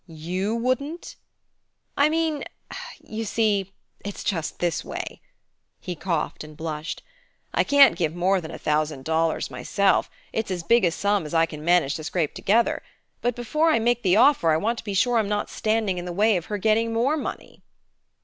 "You wouldn't ?" "I mean you see, it's just this way"; he coughed and blushed: "I can't give more than a thousand dollars myself it's as big a sum as I can manage to scrape together but before I make the offer I want to be sure I'm not standing in the way of her getting more money."